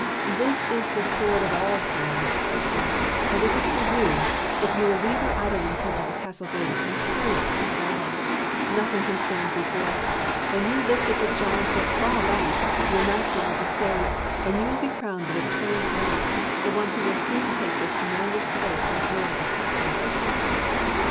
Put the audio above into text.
" This is the sword of all swords," he said, " and it is for you, if you will leave your idling here by the castle gate, and carry it to the battle. Nothing can stand before it. When you lift it the giants will fall back, your master will be saved, and you will be crowned the victorious knight — the one who will soon take his commander's place as lord of the castle."